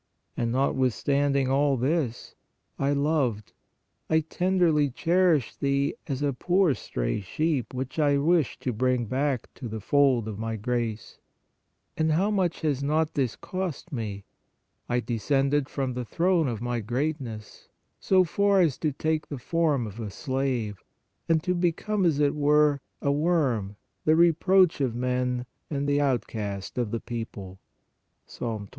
And notwithstand ing all this, I loved, I tenderly cherished thee as a poor stray sheep which I wished to bring back to the fold of My grace. And how much has not this cost Me? I descended from the throne of My great ness, so far as to take the form of a slave, and to become, as it were, a worm, the reproach of men and the outcast of the people (Ps. 21.